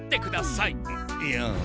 いや。